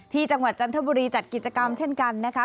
จังหวัดจันทบุรีจัดกิจกรรมเช่นกันนะคะ